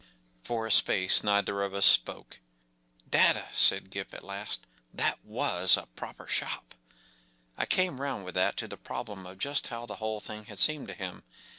For a space neither of us spoke. “ Dadda ! ” said Gip, at last, “ that was a proper shop! ” I came round with that to the problem of just how the whole thing had seemed to him.